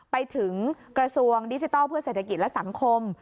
ไปถึงกระทรวงดิจิทัลเพื่อเศรษฐกิจและสังคม